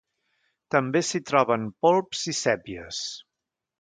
També s'hi troben polps i sèpies.